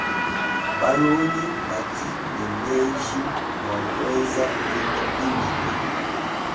Balongi badi ne menji bua kuenza bintu binene.